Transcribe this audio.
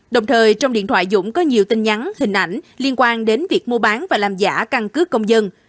đồng thời trong điện thoại dũng có nhiều tin nhắn hình ảnh liên quan đến việc mua bán và làm giả căn cứ công dân